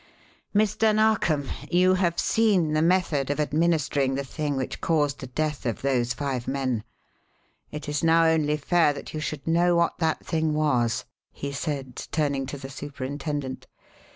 "Mr. Narkom, you have seen the method of administering the thing which caused the death of those five men; it is now only fair that you should know what that thing was," he said, turning to the superintendent.